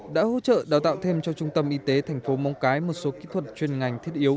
đã hỗ trợ đào tạo thêm cho trung tâm y tế thành phố móng cái một số kỹ thuật chuyên ngành thiết yếu